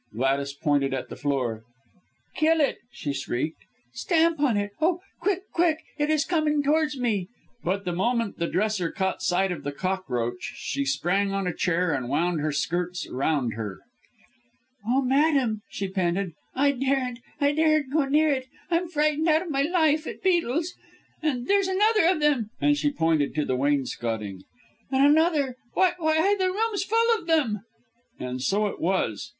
Gladys pointed at the floor. "Kill it!" she shrieked. "Stamp on it! Oh, quick, quick, it is coming towards me." But the moment the dresser caught sight of the cockroach, she sprang on a chair and wound her skirts round her. "Oh, madam," she panted, "I daren't! I daren't go near it. I'm frightened out of my life, at beetles. And there's another of them" and she pointed to the wainscoting "and another! Why, the room's full of them!" And so it was.